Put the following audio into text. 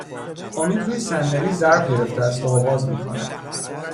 امید روی صندلی ضرب گرفته است و آواز می خواند